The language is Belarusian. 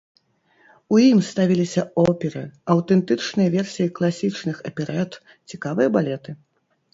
У ім ставіліся оперы, аўтэнтычныя версіі класічных аперэт, цікавыя балеты.